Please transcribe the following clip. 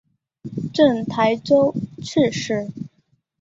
赠台州刺史。